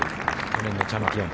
去年のチャンピオン。